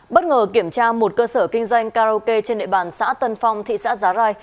bất ngờ kiểm tra một cơ sở kinh doanh karaoke trên địa bàn xã tân phong thị xã giá rai